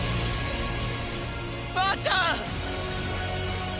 ばあちゃん！